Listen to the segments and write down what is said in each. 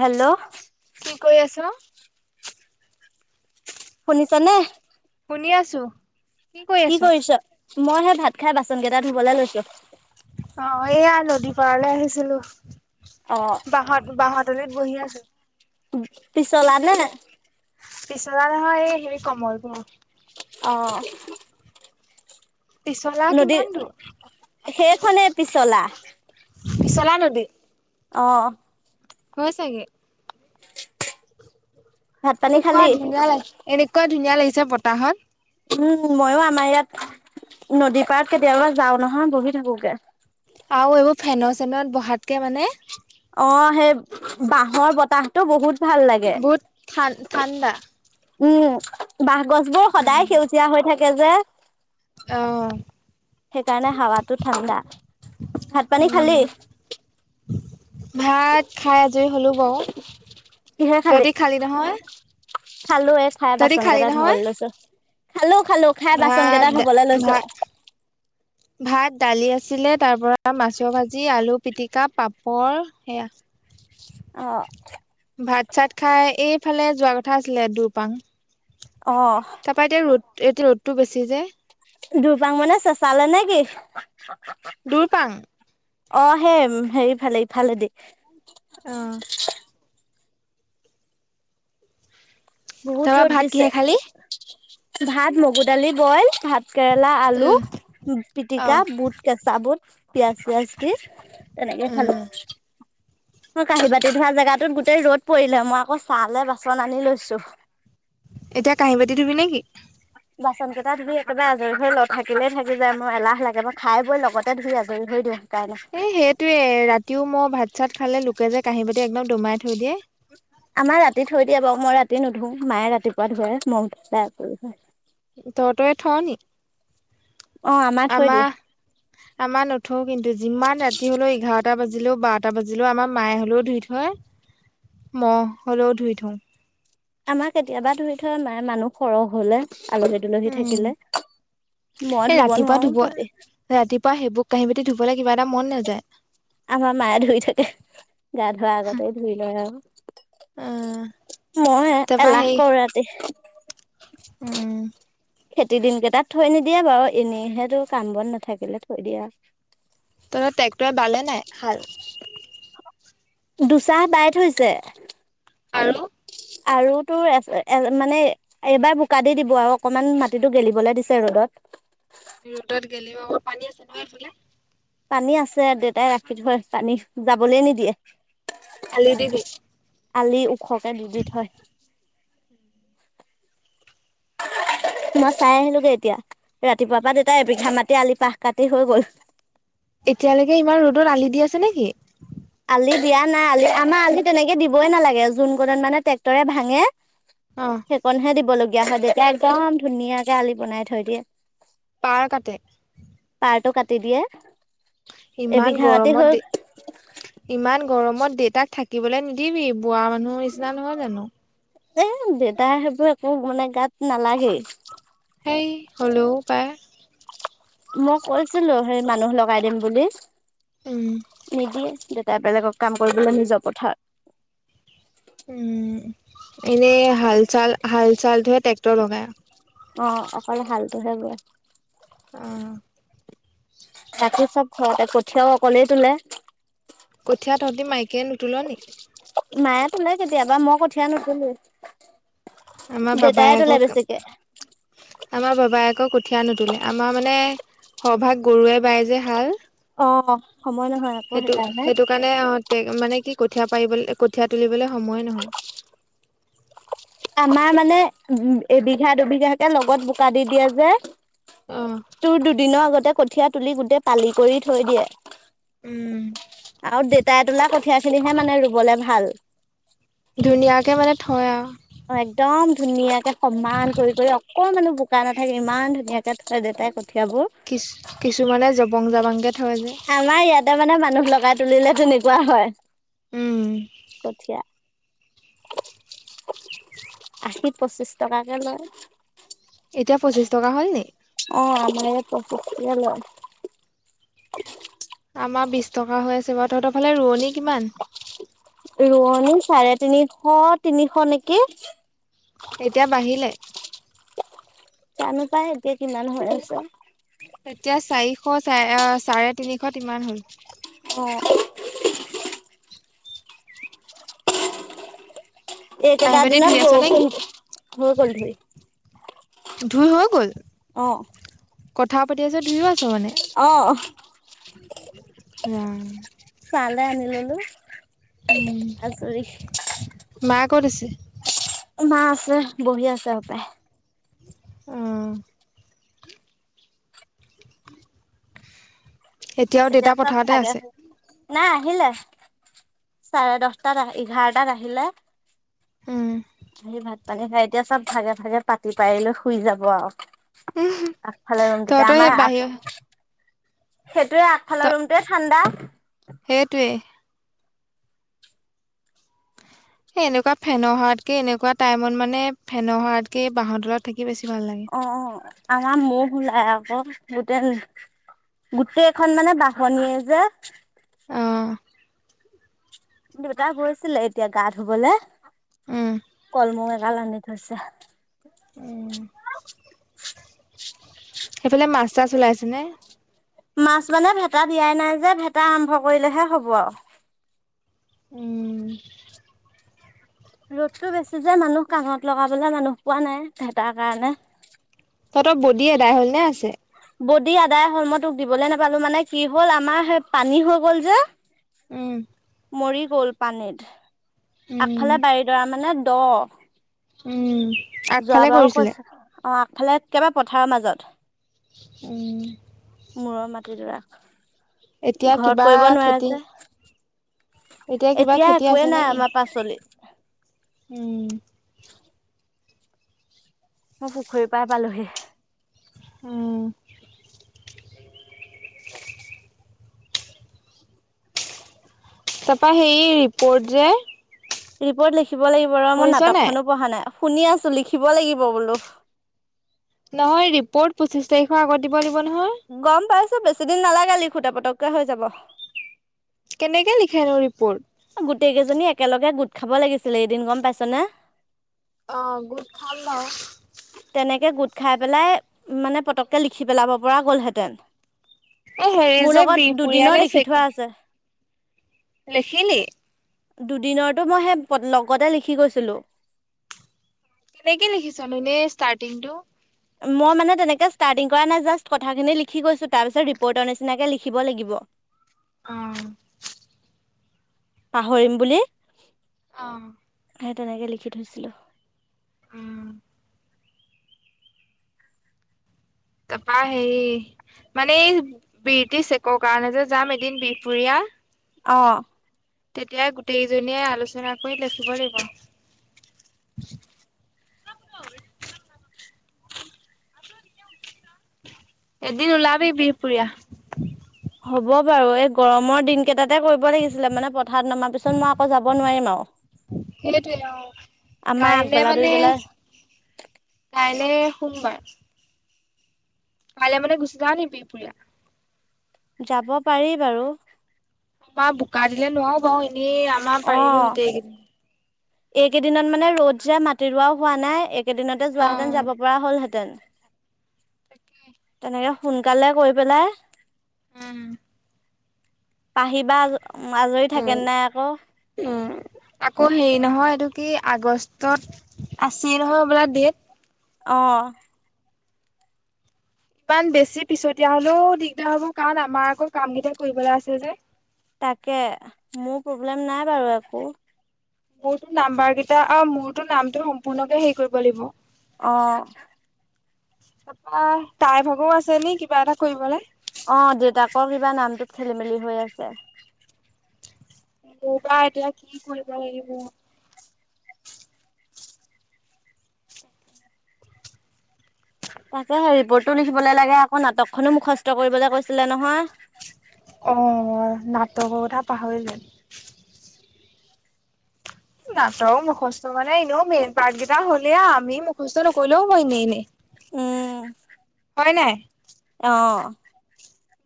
Hello? কি কৰি আছ? শুনিছানে? শুনি আছোঁ। কি কৰিছ? মই সে ভাত খাই বাচনকেটা ধুবলৈ লৈছোঁ। অ' এয়া নদী পাৰলে আহিছিলোঁ। অ বাঁহত- বাঁহৰ তলিত বহি আছোঁ। পিছলা নে? পিছলা নহয়, এই হেৰি কমলপুৰ। অ'। পিছলা কিমান নদী- দূৰ? সেইখনে পিছলা। পিছলা নদী। অ'। হয় চাগে। ভাত পানী এনেকুৱা খালি? ধুনীয়া লাগ- এনেকুৱা ধুনীয়া লাগিছে বতাহত। উম, মইও আমাৰ ইয়াত নদী পাৰত কেতিয়াবা যাওঁ নহয়, বহি থাকোগে। আও এইবোৰ ফেনো-চেনত বহাতকে মানে অ' সেই বাঁহৰ বতাহটো বহুত ভাল লাগে। বহুত ঠা- ঠাণ্ডা। উম, বাঁহগছবোৰ সদায় সেউজীয়া হৈ থাকে যে। অ'। সেইকাৰণে হাৱাটো ঠাণ্ডা। ভাত-পানী খালি? উম ভাত খাই আজৰি হ'লোঁ বাও। তহঁতি খালি নহয়? খালোঁ, এ খোৱা তহঁতি খালি বাচনকেইটা নহয়? ধুবলৈ লৈছোঁ। খালোঁ। ভাত- ভাত- ভাত, দালি আছিলে। তাৰপৰা মাছৰ ভাজি, আলু পিটিকা, পাপৰ সেয়া। অ'। ভাত-চাত খাই এইফালে যোৱা কথা আছিলে, দুৰপাং। অ', তাৰপৰা এতিয়া ৰ'দ- এতিয়া ৰ'দটো বেছি যে। দুৰপাং মানে চেচালে নেকি? দুৰপাং। অ সেই হেৰিফালে ইফালে দী অহ বহুত তাৰপৰা ৰ'দ ভাত দিছে কিহে খালি ভাত মগু দালি বইল ভাত কেৰেলা আলু উম অ পিটিকা বুট কেঁচা বুট পিয়াজ চিয়াজ দি তেনেকে উম খালো ম কাঁহী বাতি ধোৱা জেগাটোত গোটেই ৰ'দ পৰিলে মই আকৌ চাহলে বাচন আনি লৈছো এতিয়া কাঁহী বাতি ধুবি নেকি বাচন কেইটা ধুই একেবাৰে আজৰি হৈ ল থাকিলেইে থাকি যায় মাৰ এলাহ লাগে বা খাই বৈ লগতে ধুই আজৰি হৈ দিওঁ। সেইকাৰণে। এ সেইটোৱে ৰাতিও মই ভাত চাত খালে লোকে যে কাঁহী বাটি একদম দমাই থৈ দিয়ে আমাৰ ৰাতি থৈ দিয়ে বাও মই ৰাতি নুধো মায়ে ৰাতিপুৱা ধুৱে ম [unintelligible] তহতৰে থওঁ নী অ', থৈ দিয়ে। আমাৰ আমাৰ নথৈ কিন্তু যিমান ৰাতি হলো ইঘাৰ এটা বাজিলেও বাৰটা বাজিলেও আমাৰ মায়ে হলেও ধুই থয় মহ হ'লেও ধুই থওঁ। আমাৰ কেতিয়াবা ধুই থয় মাই মানুহ সৰহ হলে আলহী দুলহী থাকিলে মই এ ধুব ৰাতিপুৱা নোৱাৰো ধুব ৰাতি ৰাতিপুৱা সেইবোৰ কাঁহী বাতি ধুবলে কিবা এটা মন নাযায়। আমাৰ মায়ে ধুই থাকে গা ধোৱা আগতে ধুই লয় আৰু। আহ মই তাৰপা এলাহ সেই কৰো ৰাতি। উম খেতি দিন কেইটাত থৈ নিদিয়ে বাৰু এনেইহেতো কাম বন নাথাকিলে থৈ দিয়ে আৰু ত ট্ৰেক্টৰে বালে নাই হাল দুচাহ বাই থৈছে আৰু আৰু তোৰ এ মানে এবাৰ বোকা দি দিব আৰু অকনমান মাটিতো গেলিবলে দিছে আৰু বাত ৰ'দত গেলিব ক পানী আছে নহয় সেফালে পানী আছে দেউতাই ৰাখি থয় পানী যাবলৈ নিদিয়ে আলি দি দি আলি ওখকে দি দি থয় তোমই চাই আহিলোগে এতিয়া ৰাতিপুৱাৰ পৰা দেউতাই এবিঘা মাতি আলি পাহ কাটি হৈ গল। এতিয়ালৈকে ইমান ৰ'দত আলি দি আছে নেকি আলি দিয়া নাই আলি আমাৰ আলি তেনেকে দিবই নালাগে যোন কোনত মানে ট্ৰেক্টৰে ভাঙে অ সেইকনহে দিব লগীয়া হয় তেতিয়া একদম ধুনীয়াকে আলি বনাই থৈ দিয়ে। পাৰ কাতে পাৰটো কাটি দিয়ে ইমান এবিঘা মাটি গৰমত দে হক ইমান গৰমত দেউতাক থাকিবলৈ নিদিবি বোৱা মানুহৰ নিচিনা নহয় জানো। এ দেউতাই সেইবোৰ একো মানে গাত নালাগেই সেই হলেও পাই মই কৈছিলো সেই মানুহ লগাই দিম বুলি উম নিদিয়ে তাই বেলেগক কাম কৰিবলৈ নিজৰ পথাৰত উম ট লগাই আও অ অকলে হালটোহে বোৱাই আহ তাকো চব ঘৰতে কঠীয়াও অকলেই তোলে কঠিয়া তহঁতি মাইকীয়ে নুতোল নি মায়ে তোলে কেতিয়াবা মই কঠীয়া নুটোলোৱে। আমাৰ বাবাই দেতাই আকৌ তোলে বেছিকে আমাৰ বাবাই আকৌ কঠীয়া নুটোলে আমাৰ মানে সভাগ গৰুৱে বাই যে হাল। অ সময় নহয় আকৌ সেইটো সেইকাৰণে সেইটো কাৰণে আহ মানে কি কঠিয়া পাৰিবলে কঠীয়া তুলিবলে সময় নহয়। আমাৰ মানে এবিঘা দুবিঘাকে লগত বোকা দি দিয়ে যে। অ তোৰ দুদিনৰ আগতে কঠীয়া তুলি গোটেই পালি কৰি থৈ দিয়ে। উম আৰু দেতাই তোলা কঠিয়া খিনিহে মানে ৰুবলে ভাল। ধুনীয়াকে মানে থয় আও। অ একদম ধুনীয়াকে সমান কৰি কৰি অকল মান বোকা নাথাকে ইমান ধুনীয়াকে থয় দেউতাই ক কিছু কিছুমানে জবং জাবাংকে থয় যে। তাৰ মানে মানুহ লগাই তুলিলে তেনেকুৱা হয়, উম কঠীয়া। আশী পঁচিছ টকাকে লয়। এতিয়া পঁচিছ টকা হ'লনি? অ আমাৰ ইয়াত পঁচিছকে লয়। আমাৰ বিশ টকা হৈ আছে বাৰু। তহঁতৰ ফালে ৰোৱনি কিমান? ৰোৱনী চাৰে তিনিশ তিনিশ নেকি? এতিয়া বাঢ়িলে? জানো পাই এতিয়া কিমান হৈ আছে? এতিয়া চাৰিশ চ চাৰে তিনিশ ইমান হ'ল। অ [unintelligible] কাঁহী এইকেইটা বাতি ধুই দিনত আছ নেকি বৰষূণ [unintelligible] ধোই হৈ গ'ল? অঁ। কথা পাতি আছে ধুইো আছে? আহঁ। [unintelligible] চালে আনি ললো। উম আজৰি মা কট আছে? মা আছে বহী আছে সপায়? আহ। এতিয়াও দেউতা এতিয়া চব পথাৰতে ভাগে আছে। হয়। নাই আহিলে চাৰে দহটাত এঘাৰটাত আহিলে? উম আহি ভাত পানী খাই এতিয়া চব ভাগে ভাগে পাতি পাৰিলৈ শুই যাব আও। আকফালে ৰুমটোতে তহঁতৰ সেই আমাৰ আক। বাহিৰ সেইটোৱে ত আগফালৰ ৰুমটোৱে ঠাণ্ডা। সেইটোৱে। এনেকুৱা ফেনৰ হাৱাতকে এনেকুৱা টাইমত মানে ফেনৰ হৱাতকে বাহৰ তলত থাকে অ অ আমাৰ ম ওলাই আও। গোটেই গোটেইখন মানে বাহনিয় যে। আহ। দেউতা গৈছিলে এতিয়া গা ধুবলে উম কলমৌ এগাল আনি থৈছে। উম। সেইফালে মাছ চাছ ওলাইছেনে? মাছ মানে ভেটা দিয়াই নাই যে ভেটা আৰম্ভ কৰিলেহে হ'ব আও। উম ৰ'দতটো বেছি যে মানুহ কামত লগাবলে মানুহ পোৱা নাই ভেতাৰ কাৰণে। তহত বদি এদাই হল নে আছে? বডি আদাই হ'ল। মই তোক দিবলে নেপালো, মানে কি হ'ল আমাৰ সেই পানী হৈ গ'ল যে। উম। বল পানীত উম আগফালে বাৰীডৰা মানে দহ। উম আগফালে যোৱাবাৰো কৰিছিলে। কৈছো অ আগফালে একবাৰে পথাৰৰ মাজত। উম। মূৰৰ মাটিডৰা, এতিয়া ঘৰত কিবা কৰিব নোৱাৰে খেতি যে। কিবা এতিয়া খেতি একোৱেই আছে নাই নেকি? আমাৰ পাচলিত। উম [unintelligible] মই পুখুৰী পাৰ পালোহি। উম। তাৰপা সেই ৰিপৰ্ট যে। ৰিপৰ্ট লিখিব লাগিব ৰ, মই শুনিছ নাই নাটকখনো পঢ়া নাই। শুনি আছো, লিখিব লাগিব বোলো। নহয় ৰিপৰ্ট পঁচিশ তাৰিখৰ আগত দিব লাগিব নহয়! গম পাইছো, বেছি দিন নালাগে লিখোতে, পতককে হৈ যাব। কেনেকে লিখেনো ৰিপৰ্ট? গোটেই কেইজনী একেলগে গোট খাব লাগিছিলে এদিন গম পাইছ নে? অ' গোট খাম বাউ। তেনেকে গোট খাই পেলাই মানে পতককৈ লিখি পেলাব পৰা গ'লহেঁতেন। এ হেৰি মোৰ যে লগত দুদিনৰ বিহপুৰীয়ালে লিখি চে থোৱা আছে। লিখিলি? দুদিনৰটো মই সেই লগতে লিখি গৈছিলো। কেনেকে লিখিছ নো এনে ষ্টাৰ্টিং টো? মই মানে তেনেকৈ ষ্টাৰ্টিং কৰা নাই জাষ্ট কথাখিনি লিখি গৈছোঁ, তাৰপিছত ৰিপৰ্টৰ নিচিনাকৈ লিখিব লাগিব। [inaudible] অ'। পাহৰিম বুলি। অ'। সেই তেনেকে লিখি থৈছিলোঁ। উম। তাৰপৰা হেৰি, মানে এই বিৰটি চেকৰ কাৰণে যে যাম এদিন বিহপুৰীয়া। অ'। তেতিয়া গোটেইকেইজনীয়ে আলোচনা কৰি লিখিব লাগিব। [inaudible] এদিন ওলাবি বিহপুৰীয়া। হ'ব বাৰু, এই গৰমৰ দিনকেইটাতে কৰিব লাগিছিলে। মানে পঠাত নমাৰ পিছত, মই আকৌ যাব নোৱাৰিম আৰু। সেইটোৱে অ'। আমাৰ কাইলে আগবেলা মানে, দুইবেলা কাইলে সোমবাৰ। কাইলে মানে গুচি যাওঁ নেকি বিহপুৰীয়া? যাব পাৰি বাৰু। আমাৰ বোকা দিলে নোৱাৰো বাৰু, এনেই আমাৰ অ পাৰিলোহেঁতেন এইকেইদিন। এইকেইদিনত মানে ৰ'দ যে মাটি ৰোৱাও হোৱা নাই, এইকেইদিনতে যোৱাহেঁতেন অ'। যাব পৰা হ'লহেঁতেন। তেনেকে সোনকালে কৈ পেলাই উম। পাহি বা আজৰি থাকে নাই আকৌ! উম, আকৌ হেৰি নহয় এইটো কি আগষ্টত আছিল নহয় বোলে ডেট? অ'হ। ইমান বেছি পিছতীয়া হ'লেও দিগদাৰ হ'ব। কাৰণ, আমাৰ আকৌ কামকেইটা কৰিবলৈ আছে যে। তাকে মোৰ প্ৰব্লেম নাই বাৰু একো। মোৰটো নাম্বাৰ কেইটা, আৰু মোৰটো নামটো সম্পূৰ্ণকে হেৰি কৰিব লাগিব। অ'। তাৰপৰা তাইৰ ভাগৰো আছে নি কিবা এটা কৰিবলে? অ' দেউতাকৰ কিবা নামটোত খেলি মেলি হৈ আছে। মোৰ বা এতিয়া কি কৰিব লাগিব! টো লিখিবলৈ লাগে, আকৌ নাটকখনো মুখস্থ কৰিবলৈ কৈছিলে নহয়। তগৰ কথা পাহৰিলেই। নাটক মুখস্থ মানে এনেও মেইন পাৰ্ট কেইটা হ'লে আৰু, আমি মুখস্থ নকৰিলেও হব আৰু এনেই এনেই। উম হয় নাই আঁহ।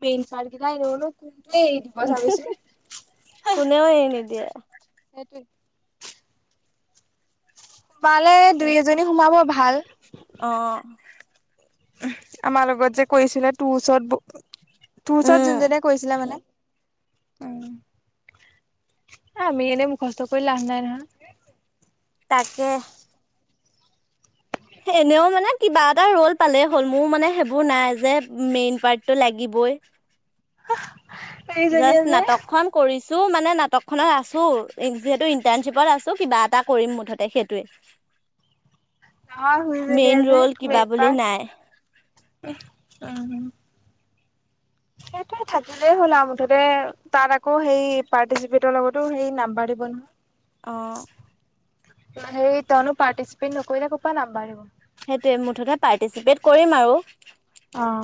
মেইন পাৰ্ট কিতা এনেও নো কোনটোৱে এৰি দিব দিব চাবিচোন। কোনেও এৰি নিদিয়ে সেইটোৱে। সোমালে দুই এজনী সোমাব ভাল। আঁহ। আমাৰ লগত যে কৰিছিলে তোৰ ওচৰত ব তোৰ ওচৰত উম, যোনজনিয়ে কৰিছিলে মানে। উম। আমি এনে মুখস্ত কৰি লাভ নাই নহয়। তাকে। এনেও মানে কিবা এটা ৰল পালেই হ'ল মোৰ মানে সেইবোৰ নাই যে মেইন পাৰ্টটো লাগিব [inaudible] [inaudible] সেইজনীয়ে জাষ্ট যে নাটকখন কৰিছ চো মানে নাটকখনত আছো যিহেতু ইন্টাৰ্ণশ্বিপত আছো কিবা এটা কৰিম মুঠতে সেইটোৱে [inaudible] অ শুইছিলল মেইন আ যে ৰল কিবা বুলি মেলপাত নাই উম সেইটো থাকিলেই হ'ল আৰু মুঠতে তাত আকৌ সেই পাৰ্টিচিপেটৰ লগতো সেই নাম্বাৰ জীৱন আহ হেৰি তইনো পৰ্টাইচিপেত সেইটোৱে মুঠতে পাৰ্টিচিপেট কৰিম আৰু আহ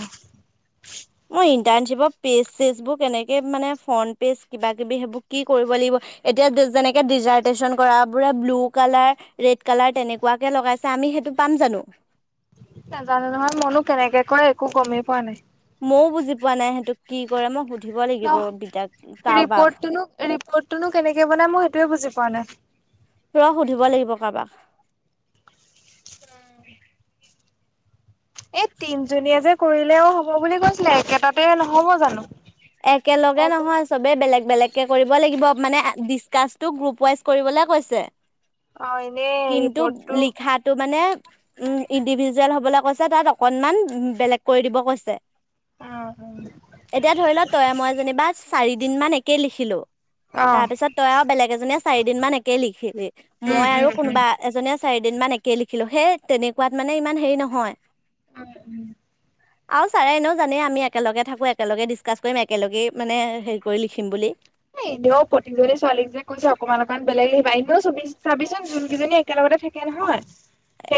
ইণ্টাৰচিপেত পেজ চেজবোৰ কেনেকে মানে ফ্ৰণ্ট পেজ কিবা কিবি সেইবোৰ কি কৰিব লাগিব এতিয়া যেনেকে ডিজাৰ্টেচন কৰা বোৰে ব্লু কালাৰ ৰেড কালাৰ তেনেকুৱাকে লগাইছে আমি সেইটো পাম য নো নাজানো নহয় মইনো কেনেকে কৰে একো গমেই পোৱা নাই। ময়ও বুজি পোৱা নাই সেইটোক কি কৰে মই সুধ ন ৰিপৰ্ট ৰিপৰ্টনো কেনেকে বনাই মই সেইটোয়ে বুজি পোৱা নাই ৰস সুধিব লাগিব কাৰবাক এই তিনজনীয়ে যে কৰিলেও হব বুলি কৈছিলে একেটাতে নহব জানো একেলগে অ', নহয় চবেই বেলেগ বেলেগ কে কৰিব লাগিব মানে ডিচকাচটো গ্ৰুপ ৱাইজ কৰিবলে কৈছে এনেই কিন্তু ৰিপৰ্টটো লিখাতটো মানে উম ইণ্ডিভিজুৱেল হবলৈ কৈছে তাত অকনমান বেলেগ কৰি দিব কৈছে। আহ এতিয়া ধৰি লও তই মই যেনিবা চাৰি দিন লিখো অ', অ', তাৰপিছই ব এ চাৰি দিন মান একে লিখিলি উম, মই আৰু উম, কোনোবা এজননে চাৰি দিন মান একেই লিখিলো সেই তেনেকুৱাত মানে ইমান হেৰি নহয় উম উম আৰু ছাৰে এনেও জানেই আমি একেলগে থাকো একেলগে ডিছকাচ কৰিম একেলগেই মানে হেৰি কৰি লিখিম বুলি এ এনেও প্ৰতিজনী ছোৱালীক যে কৈছে অকণমান অকমান বেলেগ আহিবা এনেও চ চাবিচোন যোনকেইজনী একেলগে থাকে নহয় [inaudible]